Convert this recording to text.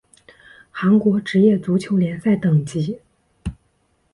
韩国职业足球联赛等级